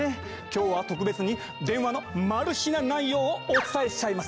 今日は特別に電話のな内容をお伝えしちゃいます。